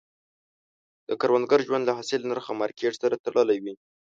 د کروندګر ژوند له حاصل، نرخ او مارکیټ سره تړلی وي.